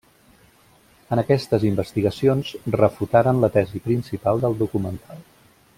En aquestes investigacions refutaren la tesi principal del documental.